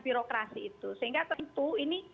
birokrasi itu sehingga tentu ini